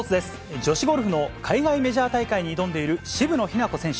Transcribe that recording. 女子ゴルフの海外メジャー大会に挑んでいる渋野日向子選手。